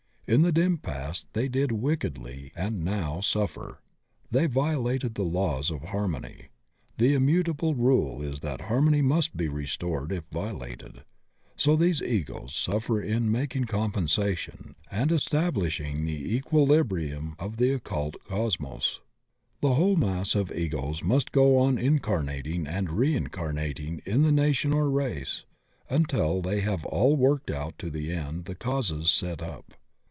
In the dim past they did wickedly and now suffer. They violated the laws of harmony. The immutable rule is that harmony must be restored if violated. So these Egos suffer in making compen sation and estabUshing the equilibrium of the occult cosmos. The whole mass of Egos must go on incar nating and reincarnating in the nation or race until they have all worked out to the end the causes set up.